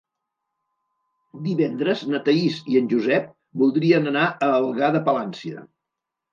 Divendres na Thaís i en Josep voldrien anar a Algar de Palància.